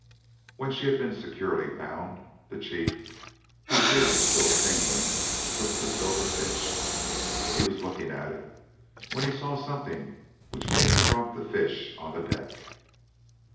When she had been securely bound, the chief, whose ear was still tingling, took the silver fish. He was looking at it when he saw something which made him drop the fish on the deck.